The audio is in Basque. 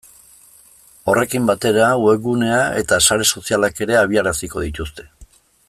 Horrekin batera webgunea eta sare sozialak ere abiaraziko dituzte.